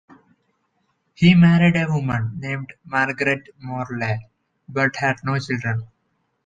He married a woman named Margaret Morlay, but had no children.